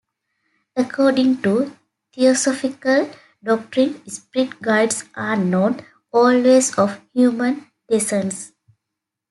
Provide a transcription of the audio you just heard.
According to theosophical doctrine, spirit guides are not always of human descent.